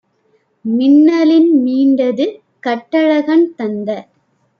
மின்னலின் மீண்டது! கட்டழகன் - தந்த